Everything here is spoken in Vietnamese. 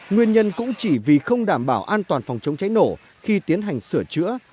nguyên nhân cũng chỉ vì không đảm bảo an toàn phòng chống cháy nổ khi tiến hành sửa chữa